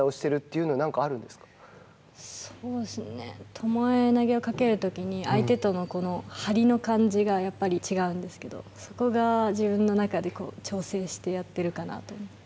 巴投げをかけるときに相手とのはりの感じがやっぱり違うんですけど、そこが自分の中で、挑戦してやっているかなと思って。